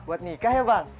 buat nikah ya bang